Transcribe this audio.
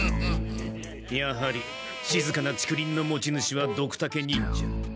やはりしずかな竹林の持ち主はドクタケ忍者。